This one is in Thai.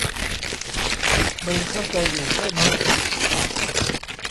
มึงเข้าใจอยู่ใช่มะ